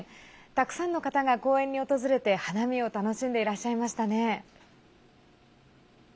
たくさんの方が公園に訪れて花見を楽しんでいらっしゃいましたね。